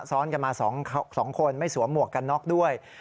ซ้อนกันมา๒คนไม่สวมหมวกกันน็อกด้วย